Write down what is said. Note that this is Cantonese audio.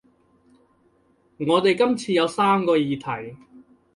我哋今次有三個議題